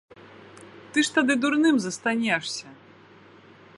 Ты ж тады дурным застанешся.